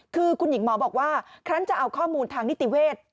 คือคุณหญิงหมอบอกว่าฉันจะเอาข้อมูลทางนิติเวทย์